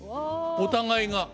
お互いが。